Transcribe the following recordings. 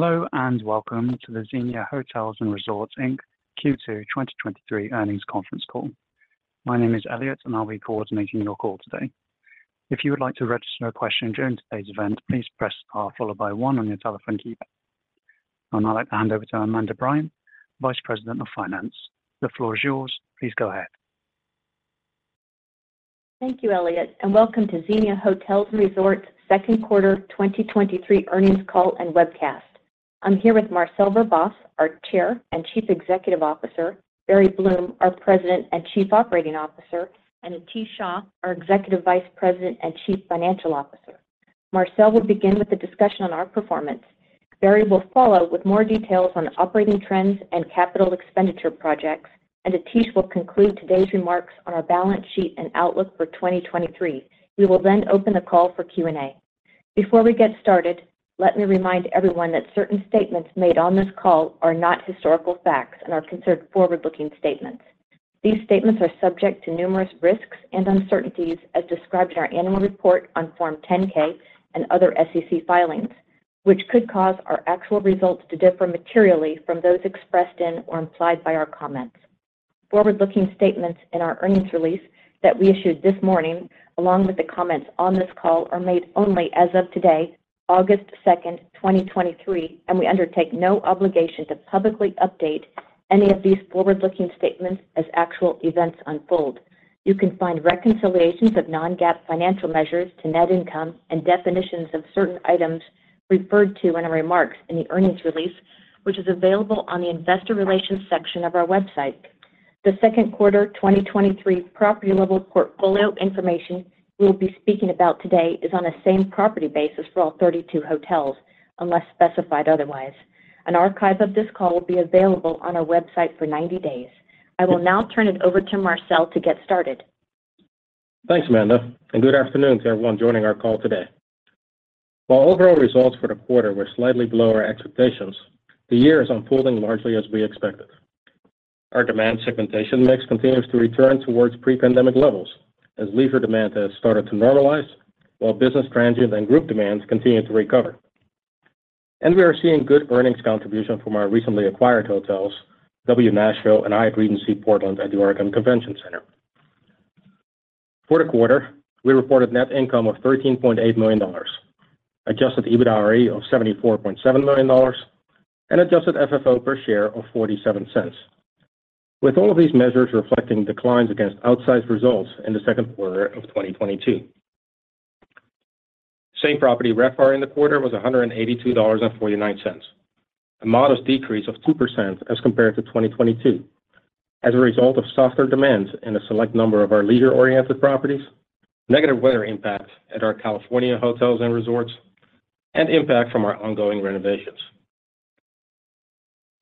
Hello, welcome to the Xenia Hotels & Resorts Inc. Q2 2023 earnings conference call. My name is Elliot, I'll be coordinating your call today. If you would like to register a question during today's event, please press star followed by one on your telephone keypad. I would now like to hand over to Amanda Bryant, Vice President of Finance. The floor is yours. Please go ahead. Thank you, Elliot, and welcome to Xenia Hotels & Resorts' second quarter 2023 earnings call and webcast. I'm here with Marcel Verbaas, our Chair and Chief Executive Officer, Barry Bloom, our President and Chief Operating Officer, and Atish Shah, our Executive Vice President and Chief Financial Officer. Marcel will begin with a discussion on our performance. Barry will follow with more details on operating trends and capital expenditure projects, and Atish will conclude today's remarks on our balance sheet and outlook for 2023. We will then open the call for Q&A. Before we get started, let me remind everyone that certain statements made on this call are not historical facts and are considered forward-looking statements. These statements are subject to numerous risks and uncertainties, as described in our annual report on Form 10-K and other SEC filings, which could cause our actual results to differ materially from those expressed in or implied by our comments. Forward-looking statements in our earnings release that we issued this morning, along with the comments on this call, are made only as of today, August 2, 2023, and we undertake no obligation to publicly update any of these forward-looking statements as actual events unfold. You can find reconciliations of non-GAAP financial measures to net income and definitions of certain items referred to in our remarks in the earnings release, which is available on the Investor Relations section of our website. The second quarter 2023 property-level portfolio information we'll be speaking about today is on a same-property basis for all 32 hotels, unless specified otherwise. An archive of this call will be available on our website for 90 days. I will now turn it over to Marcel to get started. Thanks, Amanda. Good afternoon to everyone joining our call today. While overall results for the quarter were slightly below our expectations, the year is unfolding largely as we expected. Our demand segmentation mix continues to return towards pre-pandemic levels as leisure demand has started to normalize, while business transient and group demands continue to recover. We are seeing good earnings contribution from our recently acquired hotels, W Nashville and Hyatt Regency Portland at the Oregon Convention Center. For the quarter, we reported net income of $13.8 million, Adjusted EBITDAre of $74.7 million, and Adjusted FFO per share of $0.47, with all of these measures reflecting declines against outsized results in the second quarter of 2022. Same-Property RevPAR in the quarter was $182.49, a modest decrease of 2% as compared to 2022, as a result of softer demands in a select number of our leisure-oriented properties, negative weather impact at our California hotels and resorts, and impact from our ongoing renovations.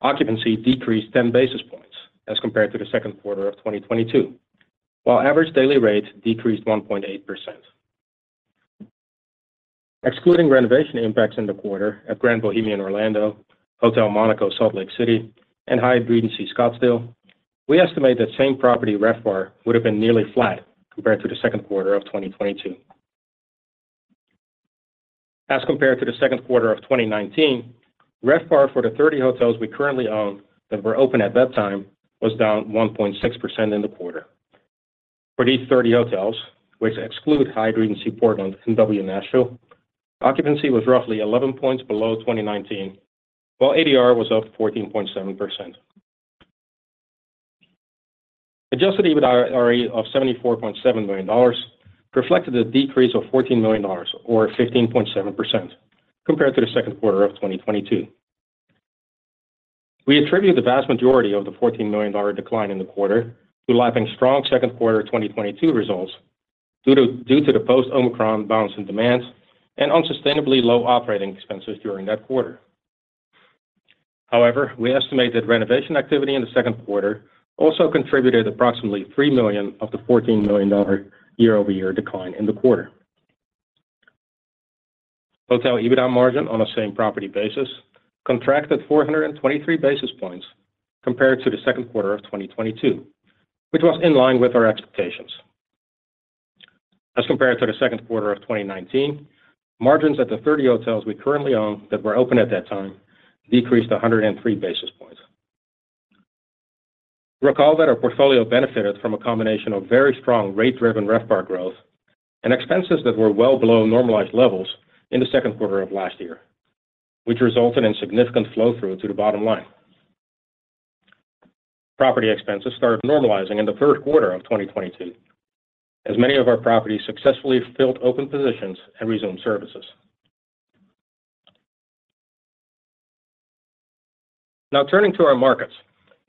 Occupancy decreased 10 basis points as compared to the second quarter of 2022, while average daily rates decreased 1.8%. Excluding renovation impacts in the quarter at Grand Bohemian Orlando, Hotel Monaco Salt Lake City, and Hyatt Regency Scottsdale, we estimate that Same-Property RevPAR would have been nearly flat compared to the second quarter of 2022. As compared to the second quarter of 2019, RevPAR for the 30 hotels we currently own that were open at that time was down 1.6% in the quarter. For these 30 hotels, which exclude Hyatt Regency Portland and W Nashville, occupancy was roughly 11 points below 2019, while ADR was up 14.7%. Adjusted EBITDAre of $74.7 million reflected a decrease of $14 million or 15.7% compared to the second quarter of 2022. We attribute the vast majority of the $14 million decline in the quarter to lapping strong second quarter of 2022 results due to the post Omicron bounce in demands and unsustainably low operating expenses during that quarter. However, we estimate that renovation activity in the second quarter also contributed approximately $3 million of the $14 million year-over-year decline in the quarter. Hotel EBITDA margin on a same property basis contracted 423 basis points compared to the second quarter of 2022, which was in line with our expectations. Compared to the second quarter of 2019, margins at the 30 hotels we currently own that were open at that time decreased 103 basis points. Recall that our portfolio benefited from a combination of very strong rate-driven RevPAR growth and expenses that were well below normalized levels in the second quarter of last year, which resulted in significant flow-through to the bottom line. Property expenses started normalizing in the first quarter of 2022, as many of our properties successfully filled open positions and resumed services. Now, turning to our markets.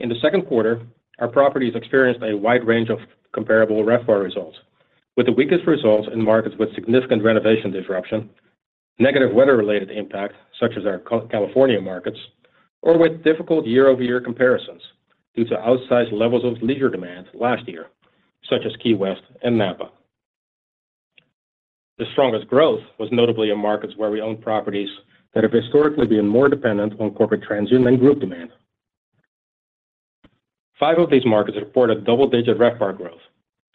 In the second quarter, our properties experienced a wide range of comparable RevPAR results, with the weakest results in markets with significant renovation disruption, negative weather-related impacts, such as our California markets, or with difficult year-over-year comparisons due to outsized levels of leisure demand last year, such as Key West and Napa. The strongest growth was notably in markets where we own properties that have historically been more dependent on corporate transient than group demand. Five of these markets reported double-digit RevPAR growth,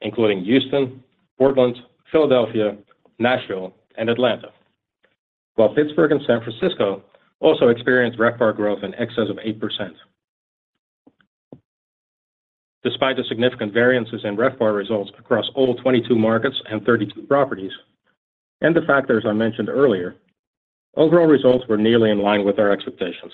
including Houston, Portland, Philadelphia, Nashville, and Atlanta, while Pittsburgh and San Francisco also experienced RevPAR growth in excess of 8%. Despite the significant variances in RevPAR results across all 22 markets and 32 properties, and the factors I mentioned earlier, overall results were nearly in line with our expectations.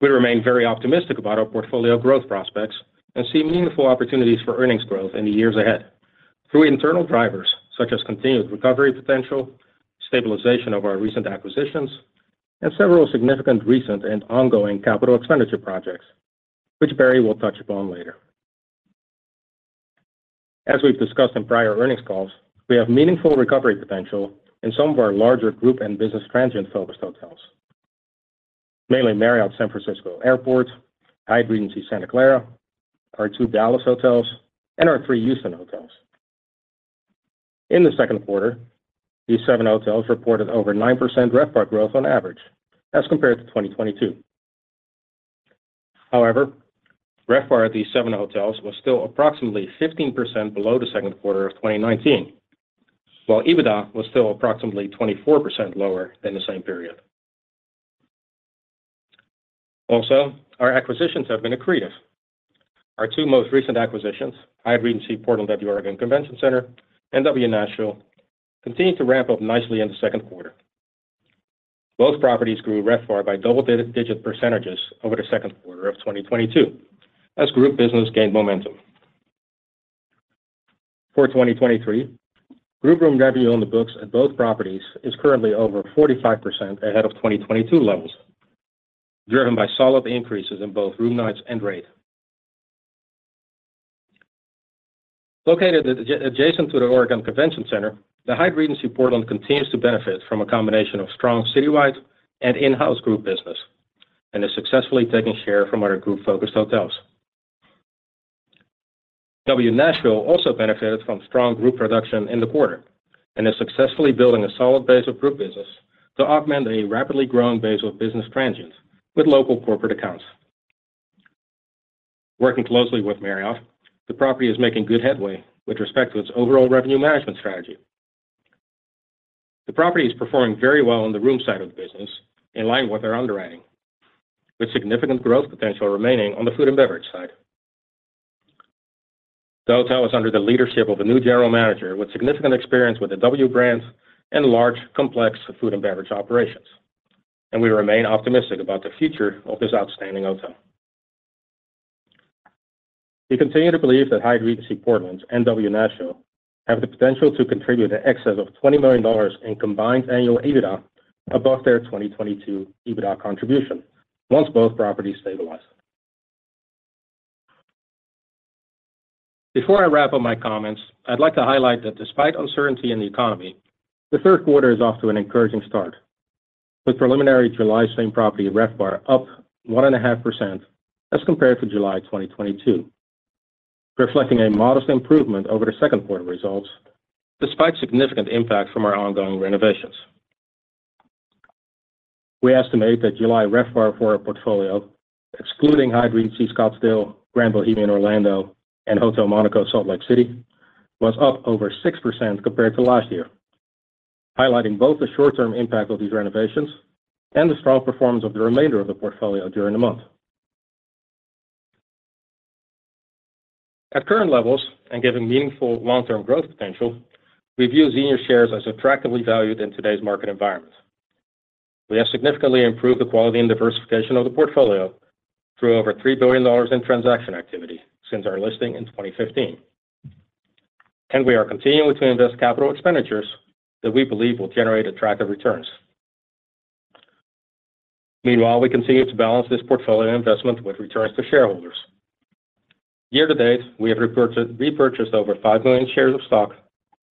We remain very optimistic about our portfolio growth prospects and see meaningful opportunities for earnings growth in the years ahead through internal drivers such as continued recovery potential, stabilization of our recent acquisitions, and several significant recent and ongoing capital expenditure projects, which Barry will touch upon later. As we've discussed in prior earnings calls, we have meaningful recovery potential in some of our larger group and business transient-focused hotels, mainly Marriott San Francisco Airport, Hyatt Regency Santa Clara, our two Dallas hotels, and our three Houston hotels. In the second quarter, these seven hotels reported over 9% RevPAR growth on average as compared to 2022. However, RevPAR at these seven hotels was still approximately 15% below the second quarter of 2019, while EBITDA was still approximately 24% lower than the same period. Also, our acquisitions have been accretive. Our two most recent acquisitions, Hyatt Regency Portland at the Oregon Convention Center, and W Nashville, continued to ramp up nicely in the second quarter. Both properties grew RevPAR by double-digit percentages over the second quarter of 2022 as group business gained momentum. For 2023, group room revenue on the books at both properties is currently over 45% ahead of 2022 levels, driven by solid increases in both room nights and rate. Located adjacent to the Oregon Convention Center, the Hyatt Regency Portland continues to benefit from a combination of strong citywide and in-house group business and is successfully taking share from other group-focused hotels. W Nashville also benefited from strong group production in the quarter and is successfully building a solid base of group business to augment a rapidly growing base of business transients with local corporate accounts. Working closely with Marriott, the property is making good headway with respect to its overall revenue management strategy. The property is performing very well on the room side of the business, in line with our underwriting, with significant growth potential remaining on the food and beverage side. The hotel is under the leadership of a new general manager with significant experience with the W brands and large, complex food and beverage operations, and we remain optimistic about the future of this outstanding hotel. We continue to believe that Hyatt Regency Portland and W Nashville have the potential to contribute in excess of $20 million in combined annual EBITDA above their 2022 EBITDA contribution, once both properties stabilize. Before I wrap up my comments, I'd like to highlight that despite uncertainty in the economy, the third quarter is off to an encouraging start, with preliminary July Same-Property RevPAR up 1.5% as compared to July 2022, reflecting a modest improvement over the second quarter results, despite significant impact from our ongoing renovations. We estimate that July RevPAR for our portfolio, excluding Hyatt Regency Scottsdale, Grand Bohemian Orlando, and Hotel Monaco, Salt Lake City, was up over 6% compared to last year, highlighting both the short-term impact of these renovations and the strong performance of the remainder of the portfolio during the month. At current levels, and given meaningful long-term growth potential, we view Xenia shares as attractively valued in today's market environment. We have significantly improved the quality and diversification of the portfolio through over $3 billion in transaction activity since our listing in 2015. We are continuing to invest capital expenditures that we believe will generate attractive returns. Meanwhile, we continue to balance this portfolio investment with returns to shareholders. Year to date, we have repurchased over 5 million shares of stock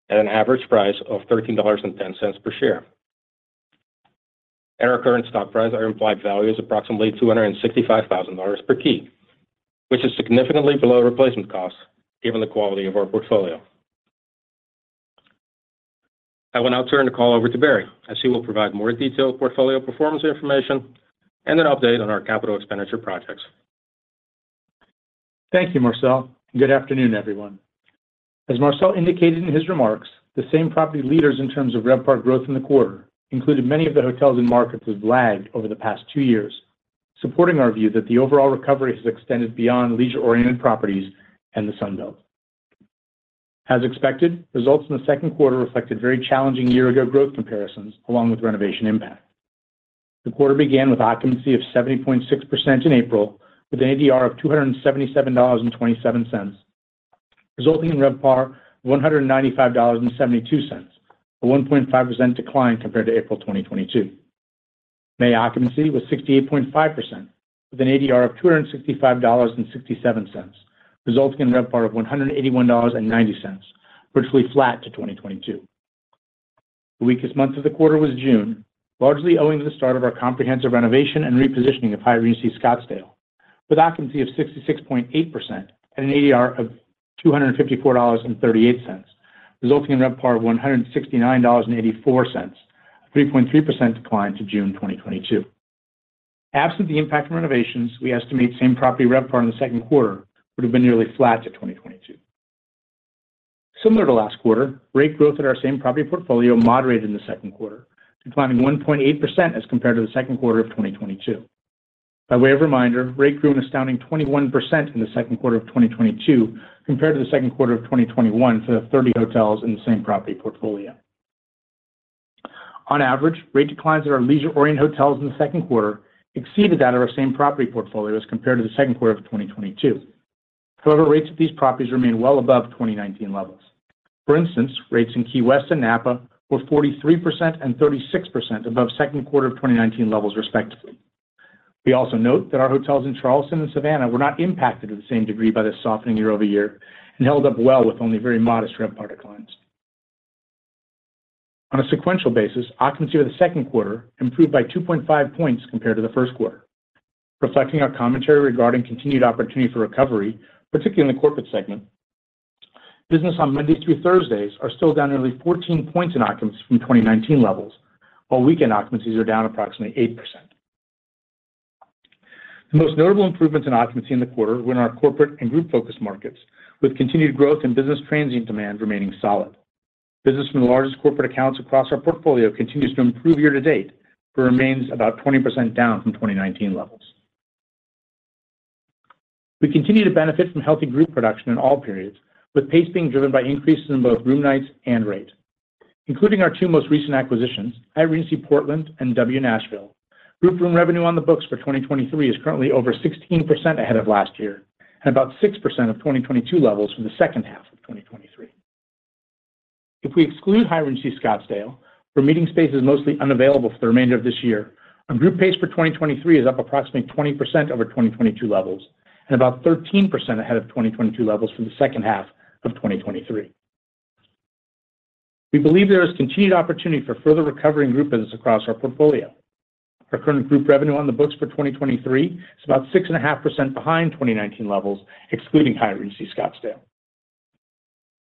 at an average price of $13.10 per share. At our current stock price, our implied value is approximately $265,000 per key, which is significantly below replacement costs, given the quality of our portfolio. I will now turn the call over to Barry, as he will provide more detailed portfolio performance information and an update on our capital expenditure projects. Thank you, Marcel. Good afternoon, everyone. As Marcel indicated in his remarks, the same property leaders in terms of RevPAR growth in the quarter included many of the hotels and markets that have lagged over the past two years, supporting our view that the overall recovery has extended beyond leisure-oriented properties and the Sun Belt. As expected, results in the second quarter reflected very challenging year-ago growth comparisons along with renovation impact. The quarter began with occupancy of 70.6% in April, with an ADR of $277.27, resulting in RevPAR of $195.72, a 1.5% decline compared to April 2022. May occupancy was 68.5%, with an ADR of $265.67, resulting in RevPAR of $181.90, virtually flat to 2022. The weakest month of the quarter was June, largely owing to the start of our comprehensive renovation and repositioning of Hyatt Regency Scottsdale, with occupancy of 66.8% and an ADR of $254.38, resulting in RevPAR of $169.84, a 3.3% decline to June 2022. Absent the impact of renovations, we estimate Same-Property RevPAR in the second quarter would have been nearly flat to 2022. Similar to last quarter, rate growth at our same-property portfolio moderated in the second quarter, declining 1.8% as compared to the second quarter of 2022. By way of reminder, rate grew an astounding 21% in the second quarter of 2022 compared to the second quarter of 2021 to the 30 hotels in the same-property portfolio. On average, rate declines at our leisure-oriented hotels in the second quarter exceeded that of our same-property portfolio as compared to the second quarter of 2022. Rates at these properties remain well above 2019 levels. For instance, rates in Key West and Napa were 43% and 36% above second quarter of 2019 levels, respectively. We also note that our hotels in Charleston and Savannah were not impacted to the same degree by this softening year-over-year and held up well with only very modest RevPAR declines. On a sequential basis, occupancy in the second quarter improved by 2.5 points compared to the first quarter, reflecting our commentary regarding continued opportunity for recovery, particularly in the corporate segment. Business on Monday through Thursday are still down nearly 14 points in occupancy from 2019 levels, while weekend occupancies are down approximately 8%. The most notable improvements in occupancy in the quarter were in our corporate and group-focused markets, with continued growth in business transient demand remaining solid. Business from the largest corporate accounts across our portfolio continues to improve year to date, remains about 20% down from 2019 levels. We continue to benefit from healthy group production in all periods, with pace being driven by increases in both room nights and rate. Including our two most recent acquisitions, Hyatt Regency Portland and W Nashville, group room revenue on the books for 2023 is currently over 16% ahead of last year and about 6% of 2022 levels from the second half of 2023. If we exclude Hyatt Regency Scottsdale, where meeting space is mostly unavailable for the remainder of this year, our group pace for 2023 is up approximately 20% over 2022 levels and about 13% ahead of 2022 levels for the second half of 2023. We believe there is continued opportunity for further recovery in group business across our portfolio. Our current group revenue on the books for 2023 is about 6.5% behind 2019 levels, excluding Hyatt Regency Scottsdale.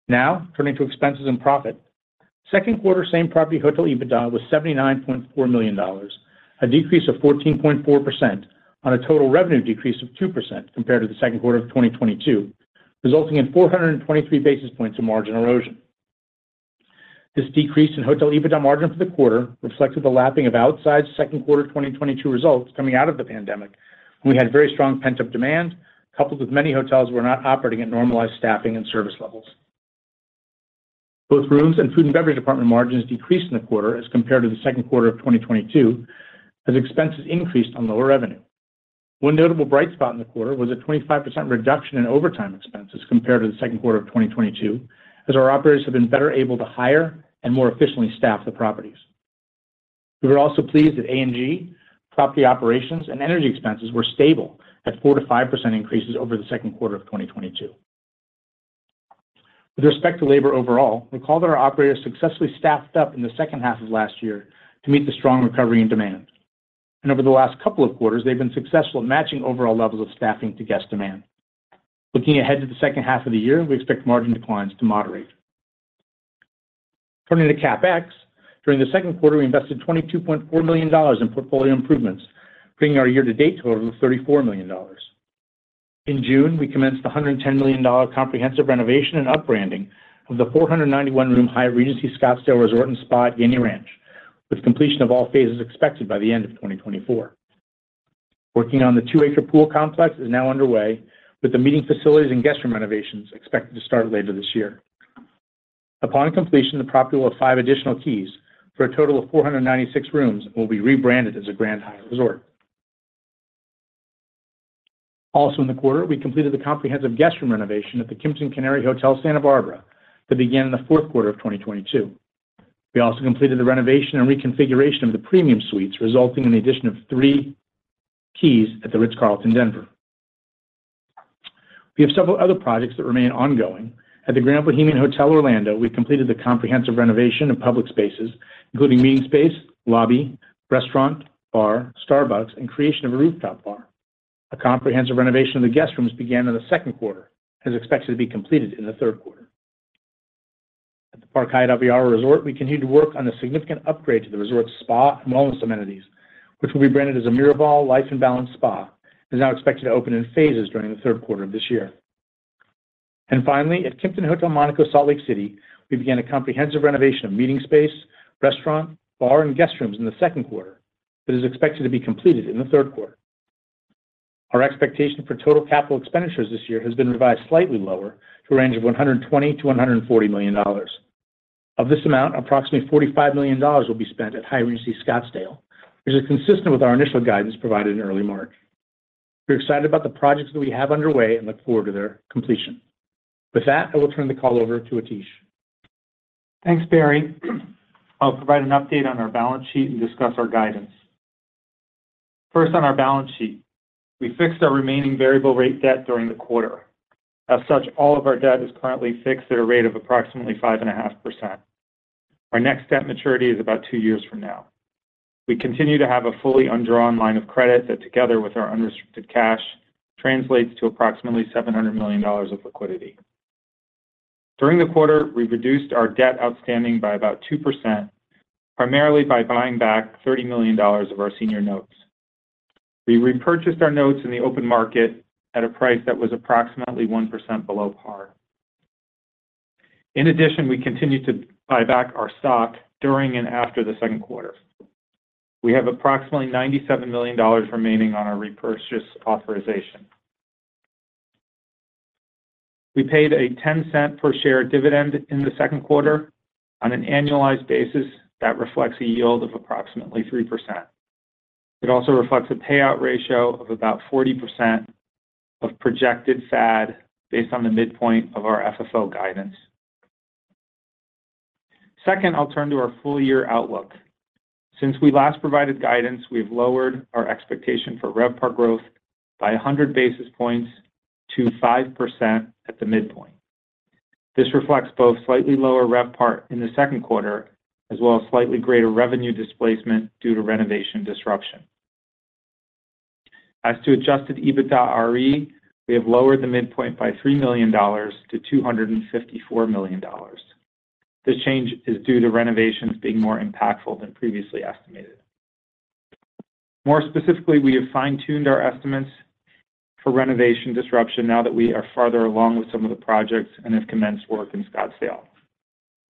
Now, turning to expenses and profit. Second quarter same-property hotel EBITDA was $79.4 million, a decrease of 14.4% on a total revenue decrease of 2% compared to the second quarter of 2022, resulting in 423 basis points of margin erosion. This decrease in hotel EBITDA margin for the quarter reflected the lapping of outsized second quarter 2022 results coming out of the pandemic, when we had very strong pent-up demand, coupled with many hotels were not operating at normalized staffing and service levels. Both rooms and food and beverage department margins decreased in the quarter as compared to the second quarter of 2022, as expenses increased on lower revenue. One notable bright spot in the quarter was a 25% reduction in overtime expenses compared to the second quarter of 2022, as our operators have been better able to hire and more efficiently staff the properties. We were also pleased that A & G, property operations, and energy expenses were stable at 4%-5% increases over the second quarter of 2022. With respect to labor overall, we call that our operators successfully staffed up in the second half of last year to meet the strong recovery in demand. Over the last couple of quarters, they've been successful at matching overall levels of staffing to guest demand. Looking ahead to the second half of the year, we expect margin declines to moderate. Turning to CapEx, during the second quarter, we invested $22.4 million in portfolio improvements, bringing our year-to-date total to $34 million. In June, we commenced a $110 million comprehensive renovation and upbranding of the 491-room Hyatt Regency Scottsdale Resort & Spa at Gainey Ranch, with completion of all phases expected by the end of 2024. Working on the 2-acre pool complex is now underway, with the meeting facilities and guest room renovations expected to start later this year. Upon completion, the property will have 5 additional keys for a total of 496 rooms and will be rebranded as a Grand Hyatt Resort. Also in the quarter, we completed the comprehensive guest room renovation at the Kimpton Canary Hotel, Santa Barbara, that began in the fourth quarter of 2022. We also completed the renovation and reconfiguration of the premium suites, resulting in the addition of three keys at the Ritz-Carlton, Denver. We have several other projects that remain ongoing. At the Grand Bohemian Hotel Orlando, we completed the comprehensive renovation of public spaces, including meeting space, lobby, restaurant, bar, Starbucks, and creation of a rooftop bar. A comprehensive renovation of the guest rooms began in the second quarter, and is expected to be completed in the third quarter. At the Park Hyatt Aviara Resort, we continue to work on a significant upgrade to the resort's spa and wellness amenities, which will be branded as a Miraval Life in Balance Spa, and is now expected to open in phases during the third quarter of this year. Finally, at Kimpton Hotel Monaco Salt Lake City, we began a comprehensive renovation of meeting space, restaurant, bar, and guest rooms in the second quarter, but is expected to be completed in the third quarter. Our expectation for total capital expenditures this year has been revised slightly lower to a range of $120 million-$140 million. Of this amount, approximately $45 million will be spent at Hyatt Regency Scottsdale, which is consistent with our initial guidance provided in early March. We're excited about the projects that we have underway and look forward to their completion. With that, I will turn the call over to Atish. Thanks, Barry. I'll provide an update on our balance sheet and discuss our guidance. First, on our balance sheet, we fixed our remaining variable rate debt during the quarter. As such, all of our debt is currently fixed at a rate of approximately 5.5%. Our next debt maturity is about two years from now. We continue to have a fully undrawn line of credit that, together with our unrestricted cash, translates to approximately $700 million of liquidity. During the quarter, we reduced our debt outstanding by about 2%, primarily by buying back $30 million of our senior notes. We repurchased our notes in the open market at a price that was approximately 1% below par. In addition, we continued to buy back our stock during and after the second quarter. We have approximately $97 million remaining on our repurchase authorization. We paid a $0.10 per share dividend in the second quarter on an annualized basis that reflects a yield of approximately 3%. It also reflects a payout ratio of about 40% of projected FAD, based on the midpoint of our FFO guidance. Second, I'll turn to our full year outlook. Since we last provided guidance, we've lowered our expectation for RevPAR growth by 100 basis points to 5% at the midpoint. This reflects both slightly lower RevPAR in the second quarter, as well as slightly greater revenue displacement due to renovation disruption. As to Adjusted EBITDAre, we have lowered the midpoint by $3 million to $254 million. This change is due to renovations being more impactful than previously estimated. More specifically, we have fine-tuned our estimates for renovation disruption now that we are farther along with some of the projects and have commenced work in Scottsdale.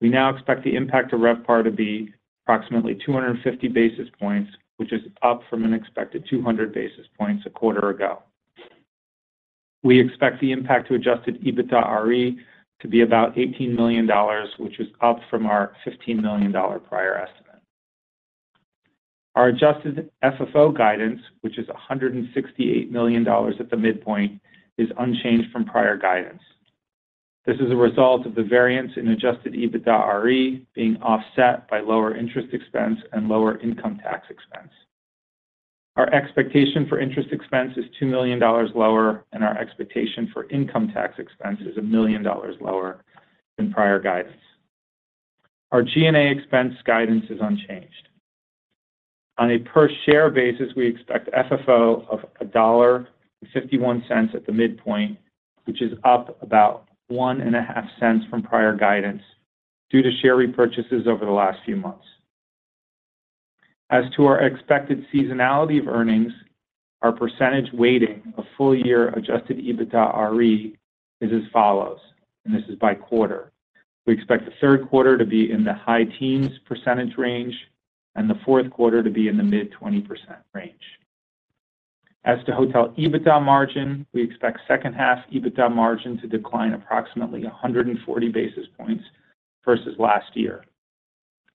We now expect the impact to RevPAR to be approximately 250 basis points, which is up from an expected 200 basis points a quarter ago. We expect the impact to Adjusted EBITDAre to be about $18 million, which is up from our $15 million prior estimate. Our Adjusted FFO guidance, which is $168 million at the midpoint, is unchanged from prior guidance. This is a result of the variance in Adjusted EBITDAre being offset by lower interest expense and lower income tax expense. Our expectation for interest expense is $2 million lower, and our expectation for income tax expense is $1 million lower than prior guidance. Our G&A expense guidance is unchanged. On a per-share basis, we expect FFO of $1.51 at the midpoint, which is up about $0.015 from prior guidance due to share repurchases over the last few months. As to our expected seasonality of earnings, our percentage weighting of full-year Adjusted EBITDAre is as follows, and this is by quarter. We expect the third quarter to be in the high teens % range and the fourth quarter to be in the mid-20% range. As to hotel EBITDA margin, we expect second half hotel EBITDA margin to decline approximately 140 basis points versus last year.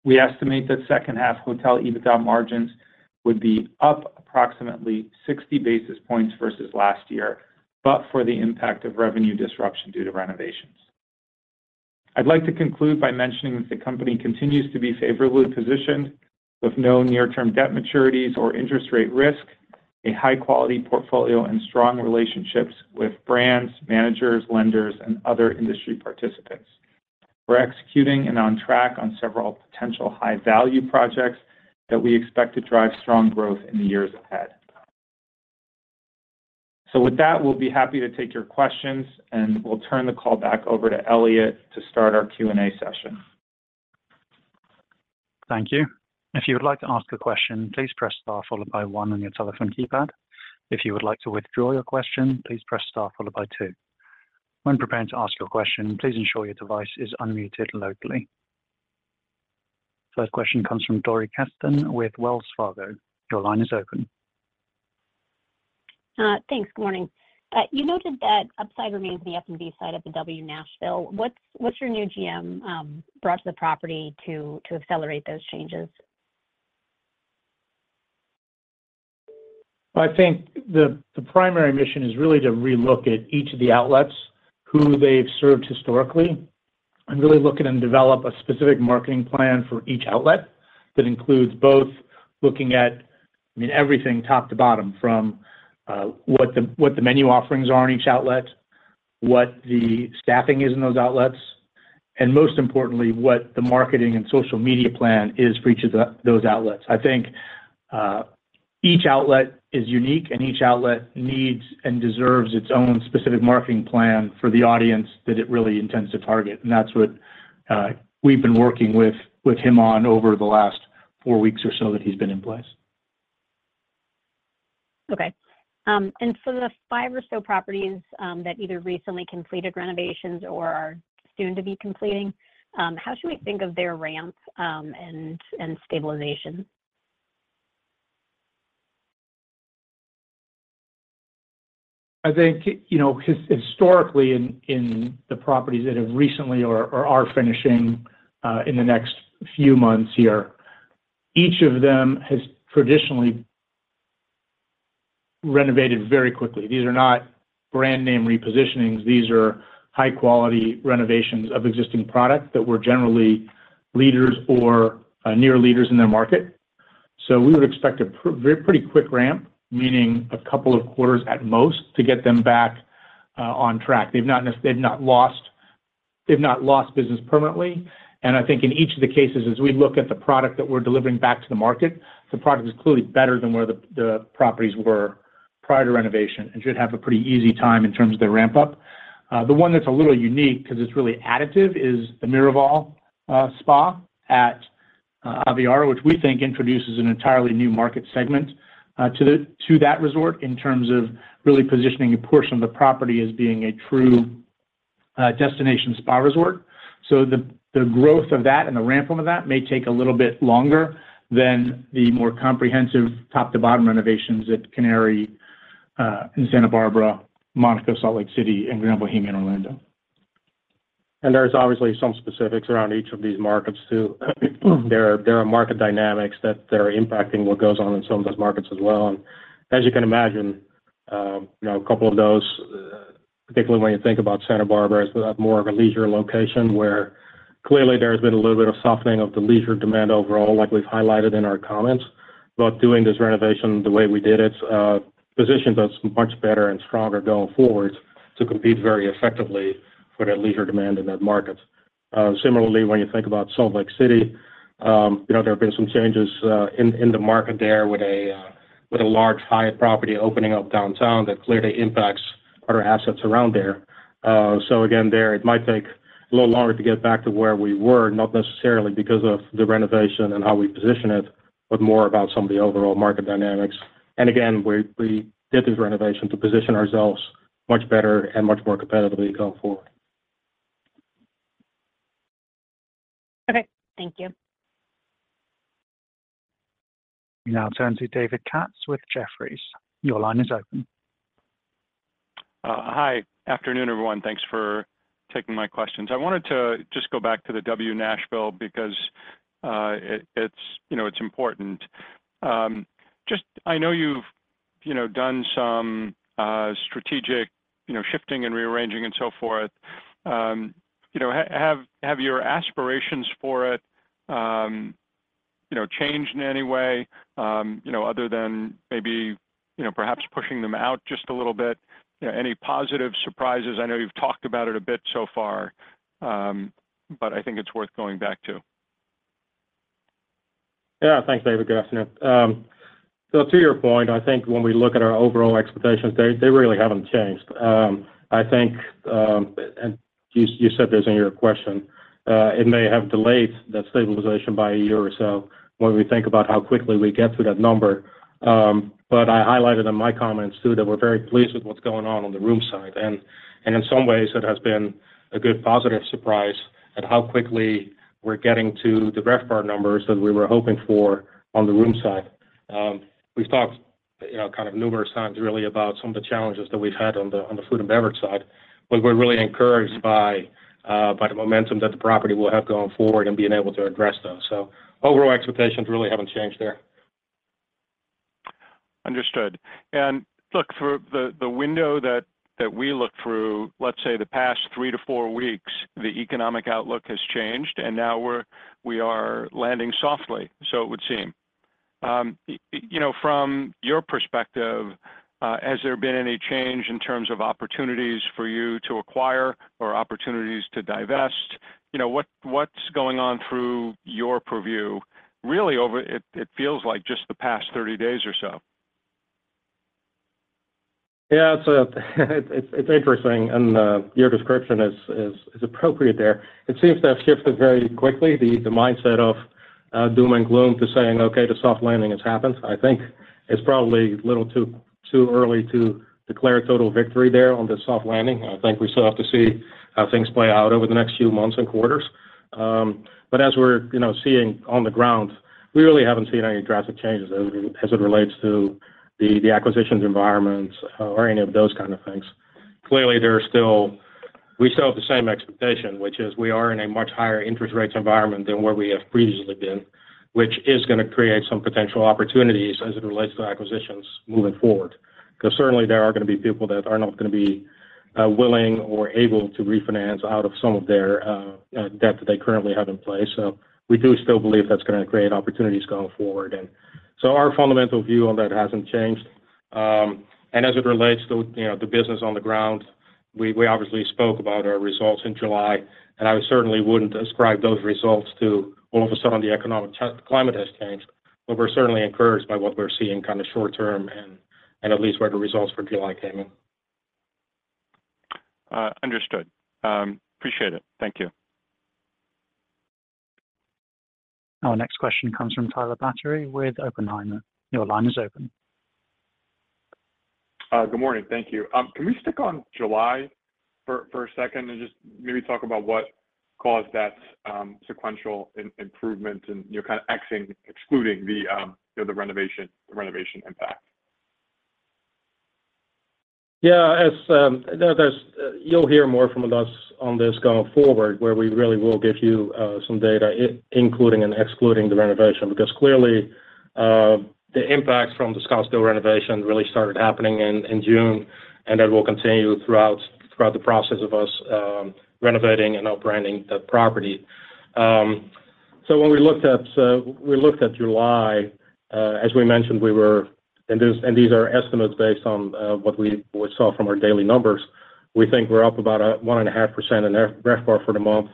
We estimate that second half hotel EBITDA margins would be up approximately 60 basis points versus last year, but for the impact of revenue disruption due to renovations. I'd like to conclude by mentioning that the company continues to be favorably positioned with no near-term debt maturities or interest rate risk, a high-quality portfolio, and strong relationships with brands, managers, lenders, and other industry participants. We're executing and on track on several potential high-value projects that we expect to drive strong growth in the years ahead. With that, we'll be happy to take your questions, and we'll turn the call back over to Elliot to start our Q&A session. Thank you. If you would like to ask a question, please press star followed by one on your telephone keypad. If you would like to withdraw your question, please press star followed by two. When preparing to ask your question, please ensure your device is unmuted locally. First question comes from Dori Kesten with Wells Fargo. Your line is open. Thanks. Good morning. You noted that upside remains the F&B side of the W Nashville. What's, what's your new GM brought to the property to, to accelerate those changes? I think the primary mission is really to relook at each of the outlets, who they've served historically, and really look at and develop a specific marketing plan for each outlet that includes both looking at, I mean, everything top to bottom, from what the menu offerings are in each outlet, what the staffing is in those outlets, and most importantly, what the marketing and social media plan is for each of those outlets. I think each outlet is unique, and each outlet needs and deserves its own specific marketing plan for the audience that it really intends to target, and that's what we've been working with him on over the last four weeks or so that he's been in place. Okay. The 5 or so properties, that either recently completed renovations or are soon to be completing, how should we think of their ramps, and stabilization? I think, you know, historically, in, in the properties that have recently or are finishing in the next few months here, each of them has traditionally renovated very quickly. These are not brand name repositionings. These are high-quality renovations of existing products that were generally leaders or near leaders in their market. We would expect a pretty quick ramp, meaning a couple of quarters at most, to get them back on track. They've not lost, they've not lost business permanently. I think in each of the cases, as we look at the product that we're delivering back to the market, the product is clearly better than where the, the properties were. Prior to renovation and should have a pretty easy time in terms of their ramp up. The one that's a little unique, 'cause it's really additive, is the Miraval Spa at Aviara, which we think introduces an entirely new market segment to the, to that resort in terms of really positioning a portion of the property as being a true destination spa resort. The, the growth of that and the ramp up of that may take a little bit longer than the more comprehensive top-to-bottom renovations at Canary in Santa Barbara, Monaco, Salt Lake City, and Grand Bohemian Orlando. There's obviously some specifics around each of these markets, too. There are, there are market dynamics that are impacting what goes on in some of those markets as well. As you can imagine, you know, a couple of those, particularly when you think about Santa Barbara as more of a leisure location, where clearly there has been a little bit of softening of the leisure demand overall, like we've highlighted in our comments. Doing this renovation, the way we did it, positions us much better and stronger going forward to compete very effectively for that leisure demand in that market. Similarly, when you think about Salt Lake City, you know, there have been some changes in, in the market there with a, with a large Hyatt property opening up downtown that clearly impacts other assets around there. Again, there, it might take a little longer to get back to where we were, not necessarily because of the renovation and how we position it, but more about some of the overall market dynamics. Again, we, we did this renovation to position ourselves much better and much more competitively going forward. Okay, thank you. We now turn to David Katz with Jefferies. Your line is open. Hi. Afternoon, everyone. Thanks for taking my questions. I wanted to just go back to the W Nashville because it, it's, you know, it's important. Just I know you've, you know, done some strategic, you know, shifting and rearranging and so forth. You know, have your aspirations for it, you know, changed in any way, you know, other than maybe, you know, perhaps pushing them out just a little bit? You know, any positive surprises? I know you've talked about it a bit so far, but I think it's worth going back to. Yeah. Thanks, David. Good afternoon. To your point, I think when we look at our overall expectations, they, they really haven't changed. I think you, you said this in your question, it may have delayed that stabilization by one year or so when we think about how quickly we get to that number. I highlighted in my comments, too, that we're very pleased with what's going on on the room side. In some ways, it has been a good positive surprise at how quickly we're getting to the RevPAR numbers that we were hoping for on the room side. We've talked, you know, kind of numerous times, really, about some of the challenges that we've had on the, on the food and beverage side, but we're really encouraged by the momentum that the property will have going forward and being able to address those. Overall expectations really haven't changed there. Understood. Look, for the window that we look through, let's say, the past three to four weeks, the economic outlook has changed, now we are landing softly, so it would seem. You know, from your perspective, has there been any change in terms of opportunities for you to acquire or opportunities to divest? You know, what's going on through your purview, really over, it feels like, just the past 30 days or so? Yeah, it's, it's, it's interesting, and your description is, is, is appropriate there. It seems to have shifted very quickly, the mindset of doom and gloom to saying, "Okay, the soft landing has happened." I think it's probably a little too, too early to declare total victory there on the soft landing. I think we still have to see how things play out over the next few months and quarters. As we're, you know, seeing on the ground, we really haven't seen any drastic changes as it relates to the acquisitions environment or any of those kind of things. Clearly, there are still, we still have the same expectation, which is we are in a much higher interest rates environment than where we have previously been, which is gonna create some potential opportunities as it relates to acquisitions moving forward. 'Cause certainly there are gonna be people that are not gonna be willing or able to refinance out of some of their debt that they currently have in place. We do still believe that's gonna create opportunities going forward. Our fundamental view on that hasn't changed. As it relates to, you know, the business on the ground, we, we obviously spoke about our results in July, and I certainly wouldn't ascribe those results to all of a sudden, the economic cl- climate has changed. We're certainly encouraged by what we're seeing kind of short term and, and at least where the results for July came in. understood. Appreciate it. Thank you. Our next question comes from Tyler Batory with Oppenheimer. Your line is open. Good morning. Thank you. Can we stick on July for, for a second and just maybe talk about what caused that sequential improvement and, you know, kind of excluding the, you know, the renovation, the renovation impact? As, there's- You'll hear more from us on this going forward, where we really will give you some data, in- including and excluding the renovation. Clearly, the impact from the Scottsdale renovation really started happening in June, and that will continue throughout the process of us renovating and outbranding the property. When we looked at July, as we mentioned, we were-- and these, and these are estimates based on what we saw from our daily numbers. We think we're up about 1.5% in RevPAR for the month.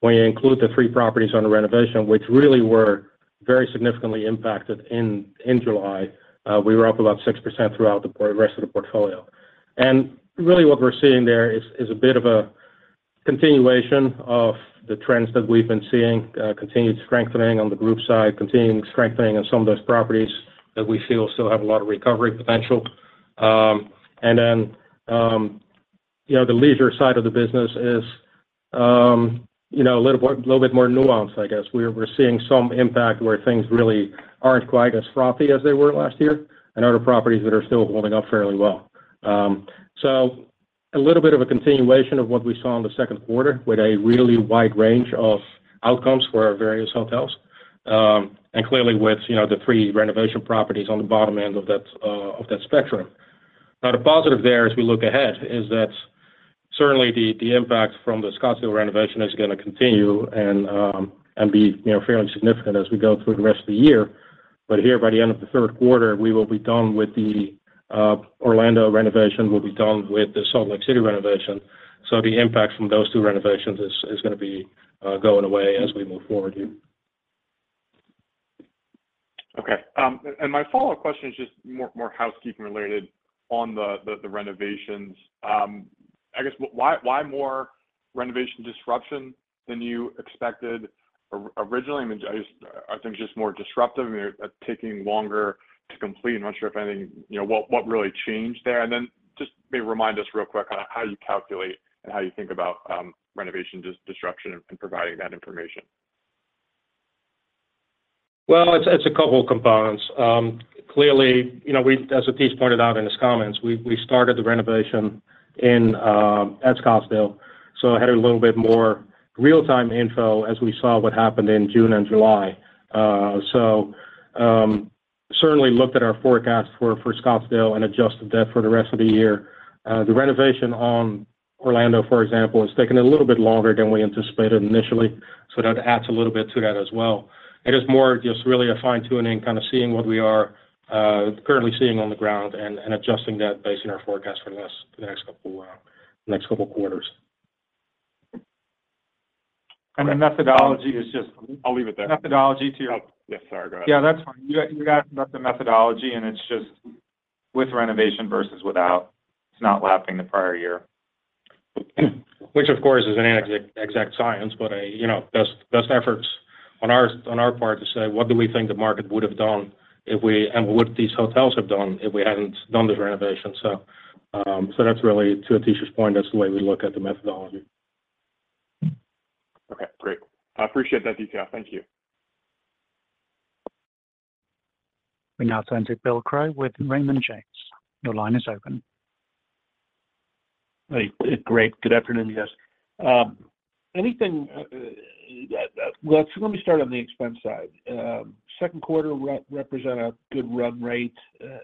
When you include the 3 properties on the renovation, which really were very significantly impacted in July, we were up about 6% throughout the rest of the portfolio. Really, what we're seeing there is, is a bit of a continuation of the trends that we've been seeing, continued strengthening on the group side, continuing strengthening on some of those properties that we feel still have a lot of recovery potential. Then, you know, the leisure side of the business is, you know, a little more, little bit more nuanced, I guess. We're, we're seeing some impact where things really aren't quite as frothy as they were last year, and other properties that are still holding up fairly well. A little bit of a continuation of what we saw in the second quarter, with a really wide range of outcomes for our various hotels. Clearly, with, you know, the 3 renovation properties on the bottom end of that, of that spectrum. The positive there as we look ahead, is that certainly the impact from the Scottsdale renovation is gonna continue and, and be, you know, fairly significant as we go through the rest of the year. Here, by the end of the third quarter, we will be done with the Orlando renovation, we'll be done with the Salt Lake City renovation, the impact from those 2 renovations is gonna be, going away as we move forward here. Okay. My follow-up question is just more, more housekeeping related on the, the, the renovations. I guess, why, why more renovation disruption than you expected originally? I mean, just, are things just more disruptive and they're taking longer to complete? I'm not sure if anything, you know, what, what really changed there? Then just maybe remind us real quick on how you calculate and how you think about renovation disruption and providing that information. Well, it's, it's a couple of components. Clearly, you know, as Atish pointed out in his comments, we, we started the renovation in at Scottsdale, so I had a little bit more real-time info as we saw what happened in June and July. Certainly looked at our forecast for Scottsdale and adjusted that for the rest of the year. The renovation on Orlando, for example, has taken a little bit longer than we anticipated initially, so that adds a little bit to that as well. It is more just really a fine-tuning, kind of seeing what we are currently seeing on the ground and adjusting that based on our forecast for the next, the next couple, next couple quarters. The methodology is. I'll leave it there. Methodology. Oh, yes, sorry, go ahead. Yeah, that's fine. You, you asked about the methodology. It's just with renovation versus without. It's not lapping the prior year. Which, of course, is not an exact science, but a, you know, best, best efforts on our, on our part to say, what do we think the market would have done if we, and what these hotels have done if we hadn't done this renovation. So, so that's really, to Atish's point, that's the way we look at the methodology. Okay, great. I appreciate that detail. Thank you. We now turn to Bill Crow with Raymond James. Your line is open. Hey. Great. Good afternoon, guys. Anything? Well, so let me start on the expense side. Second quarter represent a good run rate.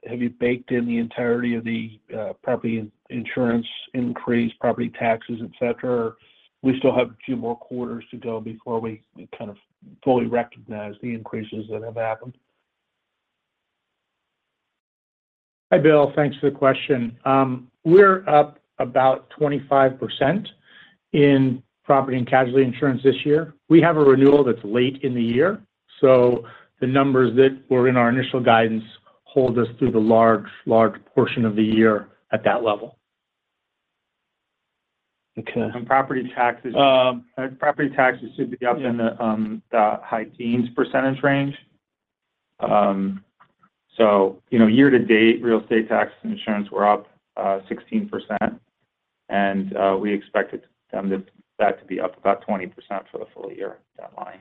Have you baked in the entirety of the property insurance increase, property taxes, et cetera? We still have a few more quarters to go before we kind of fully recognize the increases that have happened? Hi, Bill. Thanks for the question. We're up about 25% in property and casualty insurance this year. The numbers that were in our initial guidance hold us through the large, large portion of the year at that level. Okay. Property taxes. Property taxes should be up in the high teens % range. you know, year to date, real estate taxes and insurance were up 16%, and we expected them that to be up about 20% for the full year, that line.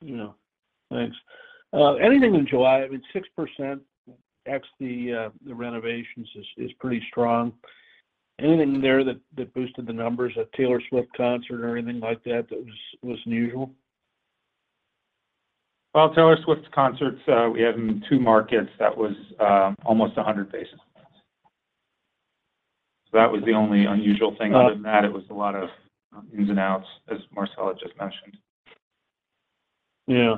Yeah. Thanks. I mean, 6%, ex the renovations is, is pretty strong. Anything there that, that boosted the numbers, a Taylor Swift concert or anything like that, that was, was unusual? Well, Taylor Swift's concerts, we had them in two markets. That was, almost 100 basis points. That was the only unusual thing. Uh- Other than that, it was a lot of ins and outs, as Marcel just mentioned. Yeah.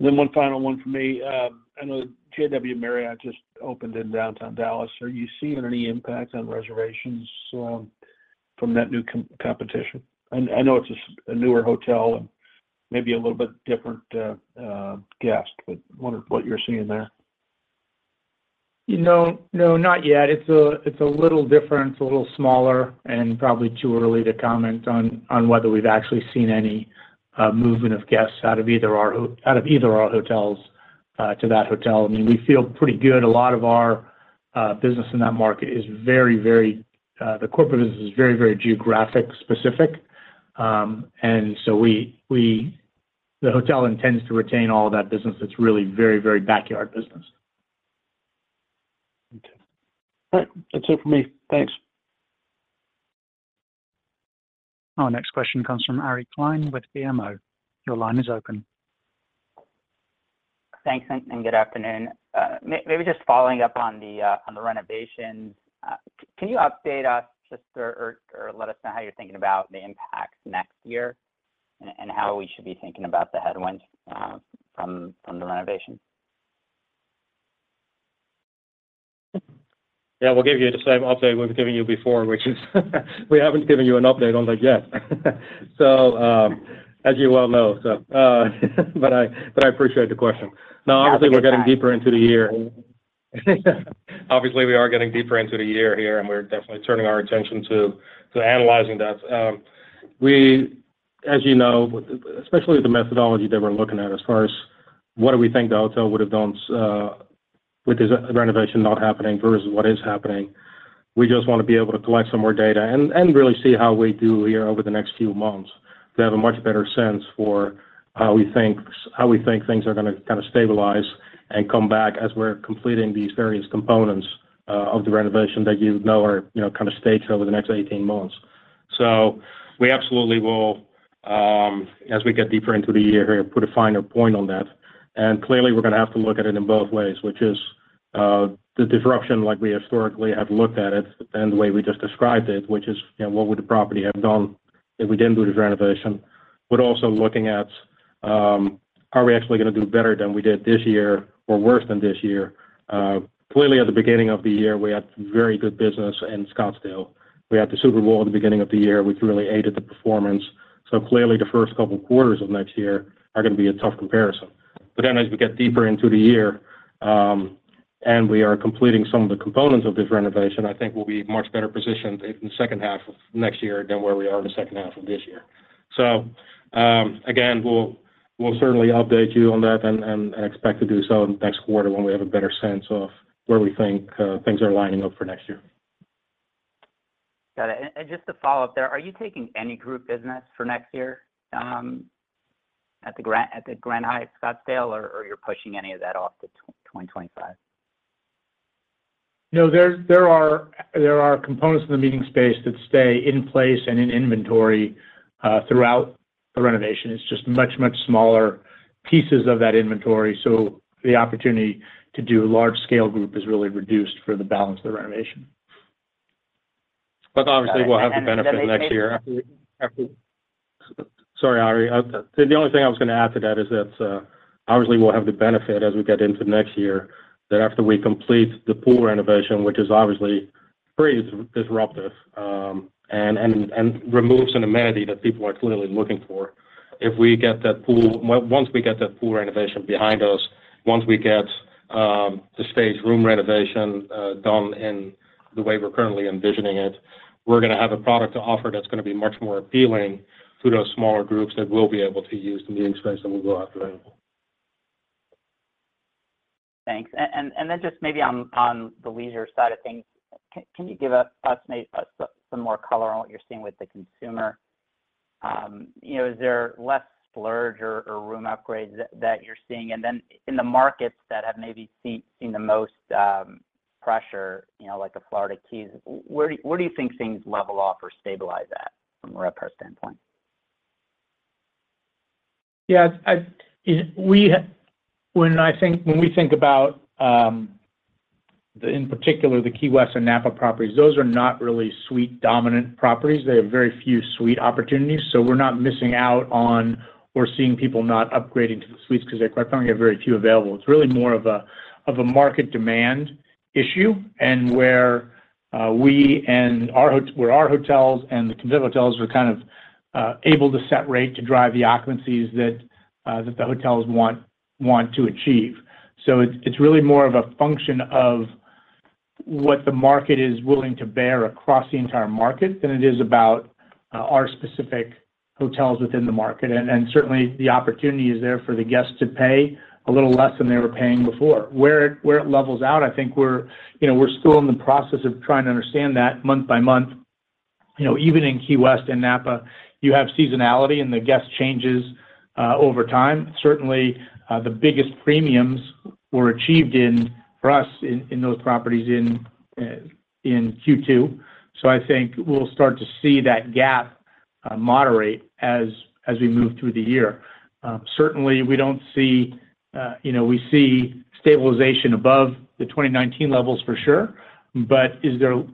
One final one for me. I know JW Marriott just opened in downtown Dallas. Are you seeing any impact on reservations from that new competition? I know it's a newer hotel and maybe a little bit different guest, but wonder what you're seeing there. No, no, not yet. It's a little different, it's a little smaller, and probably too early to comment on whether we've actually seen any movement of guests out of either out of either of our hotels to that hotel. I mean, we feel pretty good. A lot of our business in that market is very, very, the corporate business is very, very geographic specific. So we the hotel intends to retain all of that business. It's really very, very backyard business. Okay. All right. That's it for me. Thanks. Our next question comes from Ari Klein with BMO. Your line is open. Thanks. Good afternoon. Maybe just following up on the renovations. Can you update us, just, or let us know how you're thinking about the impacts next year, and how we should be thinking about the headwinds from the renovation? Yeah, we'll give you the same update we've given you before, which is we haven't given you an update on that yet. as you well know, but I appreciate the question. Obviously, we're getting deeper into the year. Obviously, we are getting deeper into the year here, and we're definitely turning our attention to, to analyzing that. we as you know, especially the methodology that we're looking at, as far as what do we think the hotel would have done, with this renovation not happening versus what is happening? We just want to be able to collect some more data and really see how we do here over the next few months, to have a much better sense for how we think things are gonna kind of stabilize and come back as we're completing these various components of the renovation that you know are, you know, kind of staged over the next 18 months. We absolutely will, as we get deeper into the year, put a finer point on that, and clearly, we're gonna have to look at it in both ways, which is, the disruption, like we historically have looked at it and the way we just described it, which is, you know, what would the property have done if we didn't do this renovation? Also looking at, are we actually gonna do better than we did this year or worse than this year? Clearly, at the beginning of the year, we had very good business in Scottsdale. We had the Super Bowl at the beginning of the year, which really aided the performance, so clearly, the first couple quarters of next year are gonna be a tough comparison. Then as we get deeper into the year, and we are completing some of the components of this renovation, I think we'll be much better positioned in the second half of next year than where we are in the second half of this year. Again, we'll, we'll certainly update you on that and, and, and expect to do so next quarter, when we have a better sense of where we think, things are lining up for next year. Got it. Just to follow up there, are you taking any group business for next year, at the Grand Hyatt Scottsdale, or you're pushing any of that off to 2025? No, there, there are, there are components in the meeting space that stay in place and in inventory throughout the renovation. It's just much, much smaller pieces of that inventory, so the opportunity to do large-scale group is really reduced for the balance of the renovation. Sorry, Ari. The only thing I was gonna add to that is that, obviously, we'll have the benefit as we get into next year, that after we complete the pool renovation, which is obviously pretty disruptive, and removes an amenity that people are clearly looking for. Once we get that pool renovation behind us, once we get the stage room renovation done in the way we're currently envisioning it, we're gonna have a product to offer that's gonna be much more appealing to those smaller groups that will be able to use the meeting space that will go out there. Thanks. Then just maybe on the leisure side of things, can you give us may some more color on what you're seeing with the consumer? You know, is there less splurge or room upgrades that you're seeing? Then in the markets that have maybe seen the most pressure, you know, like the Florida Keys, where do you think things level off or stabilize at from a RevPAR standpoint? Yeah, when we think about the, in particular, the Key West and Napa properties, those are not really suite-dominant properties. They have very few suite opportunities, so we're not missing out on or seeing people not upgrading to the suites because they're quite frankly, have very few available. It's really more of a, of a market demand issue, and where we and our hotels and the Condo hotels are kind of able to set rate to drive the occupancies that the hotels want, want to achieve. It's, it's really more of a function of what the market is willing to bear across the entire market than it is about our specific hotels within the market. Certainly, the opportunity is there for the guests to pay a little less than they were paying before. Where it levels out, I think we're, you know, we're still in the process of trying to understand that month by month. You know, even in Key West and Napa, you have seasonality, and the guest changes over time. Certainly, the biggest premiums were achieved in, for us, in, in those properties in Q2. I think we'll start to see that gap moderate as we move through the year. Certainly, we don't see, you know, we see stabilization above the 2019 levels for sure, but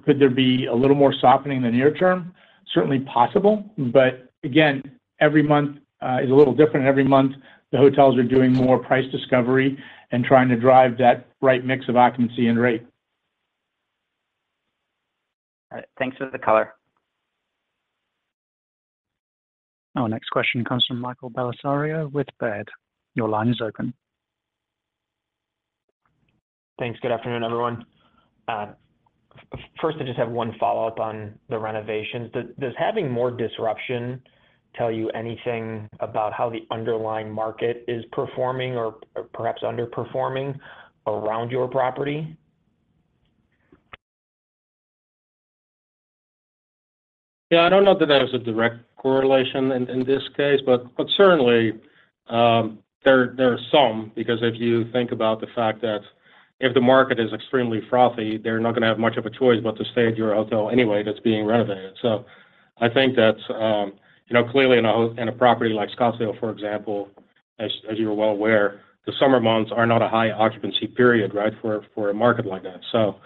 could there be a little more softening in the near term? Certainly possible, but again, every month is a little different. Every month, the hotels are doing more price discovery and trying to drive that right mix of occupancy and rate. All right. Thanks for the color. Our next question comes from Michael Bellisario with Baird. Your line is open. Thanks. Good afternoon, everyone. First, I just have one follow-up on the renovations. Does, does having more disruption tell you anything about how the underlying market is performing or, or perhaps underperforming around your property? Yeah, I don't know that there is a direct correlation in, in this case, but, but certainly, there, there are some because if you think about the fact that if the market is extremely frothy, they're not gonna have much of a choice but to stay at your hotel anyway, that's being renovated. I think that's, you know, clearly in a in a property like Scottsdale, for example, as, as you are well aware, the summer months are not a high occupancy period, right? For, for a market like that.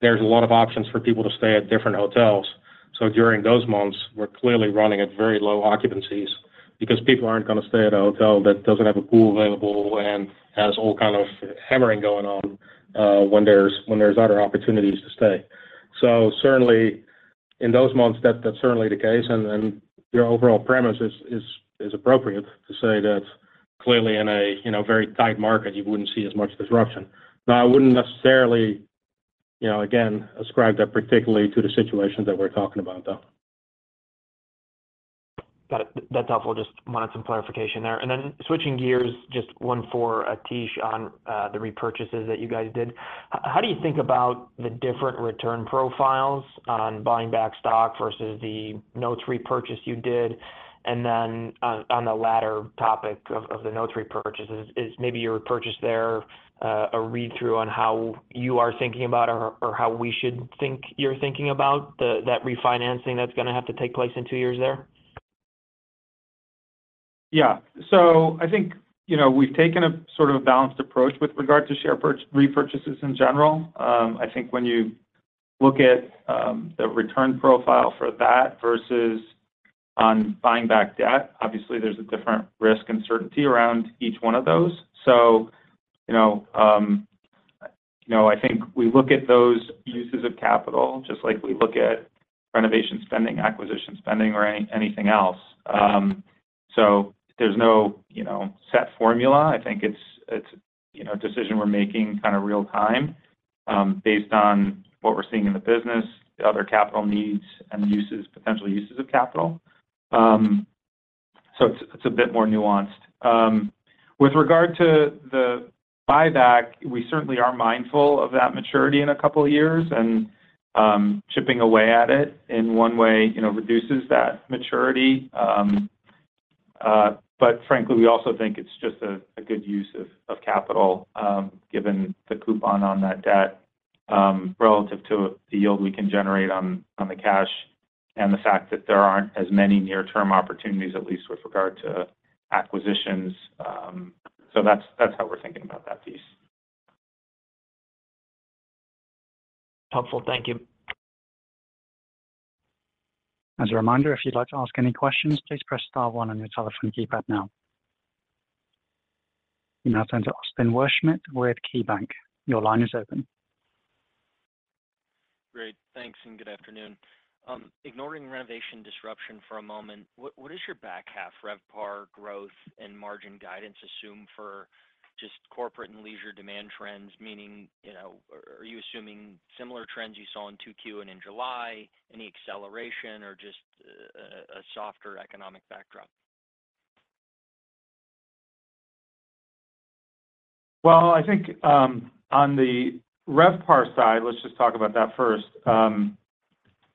There's a lot of options for people to stay at different hotels. During those months, we're clearly running at very low occupancies because people aren't gonna stay at a hotel that doesn't have a pool available and has all kind of hammering going on, when there's, when there's other opportunities to stay. Certainly, in those months, that's, that's certainly the case, and, and your overall premise is, is, is appropriate to say that clearly in a, you know, very tight market, you wouldn't see as much disruption. I wouldn't necessarily, you know, again, ascribe that particularly to the situation that we're talking about, though. Got it. That's helpful. Just wanted some clarification there. Then switching gears, just one for Tish on the repurchases that you guys did. How do you think about the different return profiles on buying back stock versus the notes repurchase you did? Then on, on the latter topic of, of the notes repurchases, is maybe your repurchase there, a read-through on how you are thinking about or, or how we should think you're thinking about that refinancing that's gonna have to take place in two years there? Yeah. I think, you know, we've taken a sort of a balanced approach with regard to share repurchases in general. I think when you look at the return profile for that versus on buying back debt, obviously there's a different risk and certainty around each one of those. You know, you know, I think we look at those uses of capital, just like we look at renovation spending, acquisition spending, or anything else. There's no, you know, set formula. I think it's, it's, you know, a decision we're making kind of real time, based on what we're seeing in the business, the other capital needs, and potential uses of capital. It's, it's a bit more nuanced. With regard to the buyback, we certainly are mindful of that maturity in a couple of years, and chipping away at it in one way, you know, reduces that maturity. Frankly, we also think it's just a good use of capital, given the coupon on that debt, relative to the yield we can generate on the cash, and the fact that there aren't as many near-term opportunities, at least with regard to acquisitions. That's, that's how we're thinking about that piece. Helpful. Thank you. As a reminder, if you'd like to ask any questions, please press star one on your telephone keypad now. We now turn to Austin Wurschmidt with KeyBanc. Your line is open. Great. Thanks, good afternoon. Ignoring renovation disruption for a moment, what is your back half RevPAR growth and margin guidance assume for just corporate and leisure demand trends? Meaning, you know, are you assuming similar trends you saw in Q2 and in July, any acceleration or just a softer economic backdrop? Well, I think, on the RevPAR side, let's just talk about that first.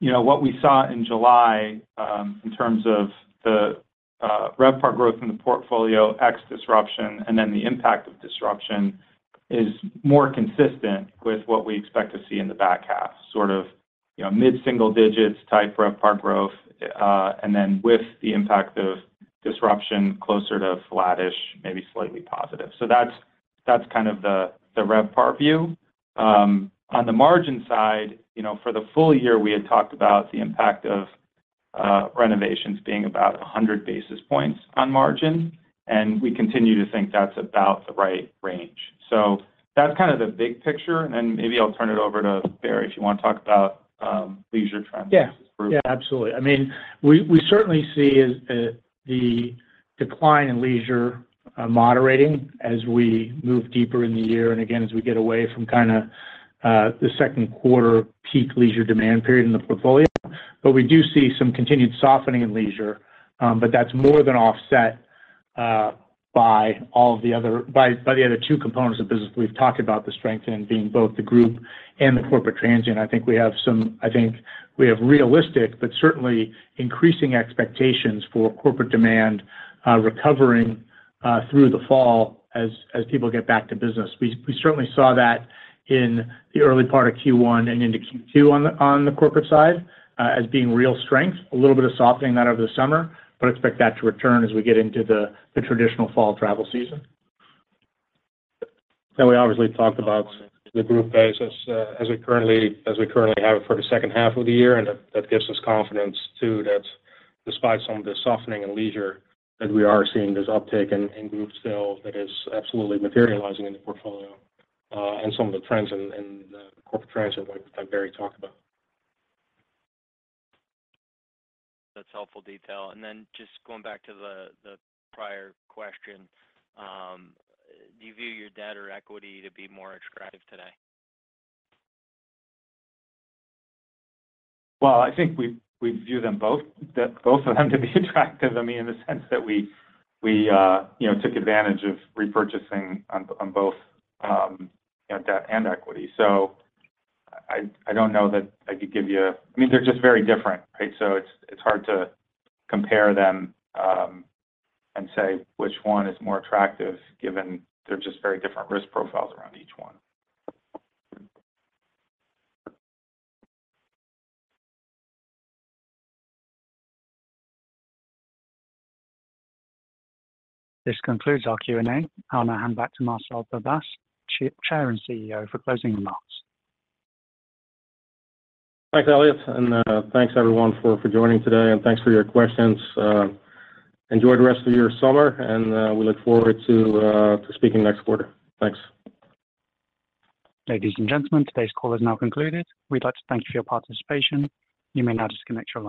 You know, what we saw in July, in terms of the RevPAR growth in the portfolio, ex disruption, and then the impact of disruption, is more consistent with what we expect to see in the back half, sort of, you know, mid-single digits type RevPAR growth. With the impact of disruption, closer to flattish, maybe slightly positive. That's, that's kind of the RevPAR view. On the margin side, you know, for the full year, we had talked about the impact of renovations being about 100 basis points on margin, and we continue to think that's about the right range. That's kind of the big picture, then maybe I'll turn it over to Barry, if you wanna talk about leisure trends. Yeah. Yeah, absolutely. I mean, we, we certainly see is, the decline in leisure, moderating as we move deeper in the year, and again, as we get away from kinda, the second quarter peak leisure demand period in the portfolio. We do see some continued softening in leisure, but that's more than offset, by the other two components of the business. We've talked about the strength in being both the group and the corporate transient. I think we have realistic, but certainly increasing expectations for corporate demand, recovering, through the fall as, as people get back to business. We, we certainly saw that in the early part of Q1 and into Q2 on the, on the corporate side, as being real strength. A little bit of softening that over the summer, but expect that to return as we get into the traditional fall travel season. We obviously talked about the group basis, as we currently, as we currently have it for the second half of the year. That, that gives us confidence too, that despite some of the softening and leisure that we are seeing, there's uptake in group sales that is absolutely materializing in the portfolio, and some of the trends in the corporate trends that, that Barry talked about. That's helpful detail. Then just going back to the prior question, do you view your debt or equity to be more attractive today? Well, I think we, we view them both, that both of them to be attractive, I mean, in the sense that we, we, you know, took advantage of repurchasing on, on both, you know, debt and equity. I, I don't know that I could give you. I mean, they're just very different, right? It's, it's hard to compare them, and say which one is more attractive, given they're just very different risk profiles around each one. This concludes our Q&A. I'll now hand back to Marcel Verbaas, Chair and CEO, for closing remarks. Thanks, Elliot, and thanks everyone for, for joining today, and thanks for your questions. Enjoy the rest of your summer, and we look forward to speaking next quarter. Thanks. Ladies and gentlemen, today's call is now concluded. We'd like to thank you for your participation. You may now disconnect your lines.